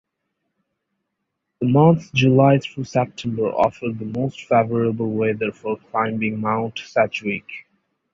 The months July through September offer the most favorable weather for climbing Mount Sedgwick.